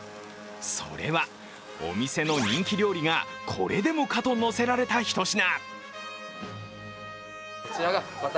それはお店の人気料理がこれでもかと、のせられたひと品。